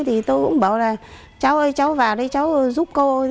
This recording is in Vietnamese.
thì tôi cũng bảo là cháu ơi cháu vào đây cháu giúp cô